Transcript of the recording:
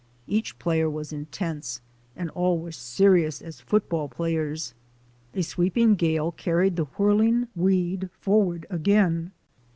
Each player was intense, and all were as serious as football players. A sweeping gale carried the whirling weed forward again.